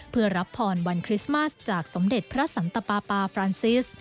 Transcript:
เพื่อรับพรวันคริสต์มัสจากสมเด็จพระสันตปาปาฟรานซิส